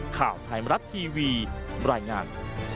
ข่าวไทยมรัฐทีวีรายงาน